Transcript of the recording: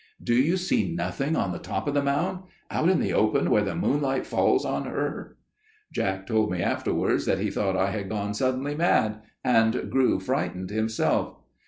"'Do you see nothing on the top of the mound? Out in the open, where the moonlight falls on her?' "Jack told me afterwards that he thought I had gone suddenly mad, and grew frightened himself.